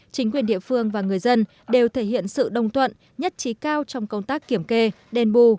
chính quyền địa phương và người dân đều thể hiện sự đồng tuận nhất trí cao trong công tác kiểm kê đền bù